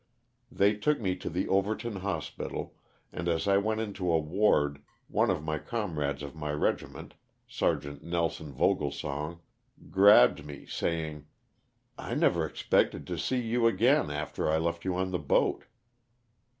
They took me to the Overton hos pital, and as I went into a ward one of my comrades of my regiment. Sergeant Nelson Voglesong, grabbed me, saying, " I never expected to see you again after I left you on the boat.''